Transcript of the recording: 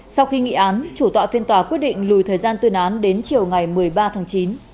sau khi nghị án chủ tọa phiên tòa quyết định lùi thời gian tuyên án đến chiều ngày một mươi ba tháng chín